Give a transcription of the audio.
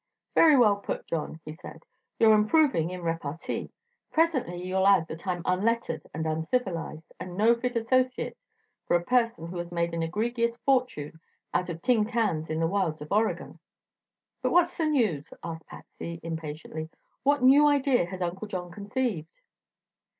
"Very well put, John," he said. "You're improving in repartee. Presently you'll add that I'm unlettered and uncivilized, and no fit associate for a person who has made an egregious fortune out of tin cans in the wilds of Oregon." "But what's the news?" asked Patsy impatiently. "What new idea has Uncle John conceived?"